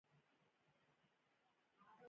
اوبه د ژوند بنسټ دي.